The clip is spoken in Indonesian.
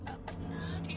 kita tinggal set delivery kan